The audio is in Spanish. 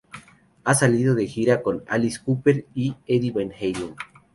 Ha salido de gira con Alice Cooper y Eddie Van Halen.